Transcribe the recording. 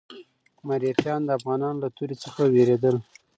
مرهټیان د افغانانو له تورې څخه وېرېدل.